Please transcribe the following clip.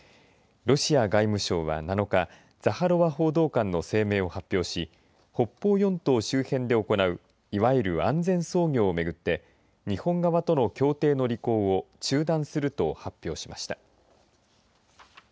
ロシア外務省は７日ザハロワ報道官の声明を発表し北方四島周辺で行ういわゆる安全操業を巡って日本側との協定の履行を中断すると発表しました。